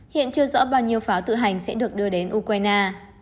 hiện chưa rõ bao nhiêu pháo tự hành sẽ được đưa đến ukraine